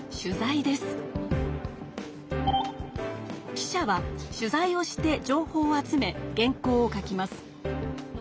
記者は取材をして情報を集め原こうを書きます。